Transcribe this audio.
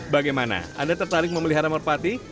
bagaimana anda tertarik memelihara merpati